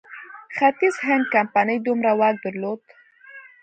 ختیځ هند کمپنۍ دومره واک درلود.